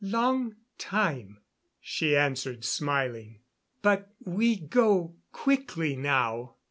"Long time," she answered, smiling. "But we go quickly now."